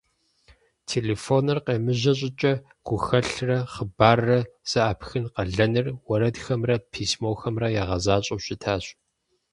Телефоныр къемыжьэ щӀыкӀэ, гухэлърэ хъыбаррэ зэӀэпыхын къалэныр уэрэдхэмрэ письмохэмрэ ягъэзащӀэу щытащ.